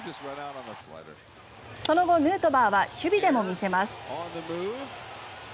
その後、ヌートバーは守備でも見せます。